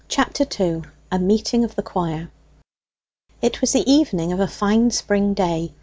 A MEETING OF THE QUIRE It was the evening of a fine spring day.